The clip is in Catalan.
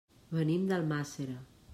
Venim d'Almàssera.